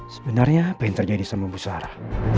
sebenarnya apa yang terjadi sama ibu sarah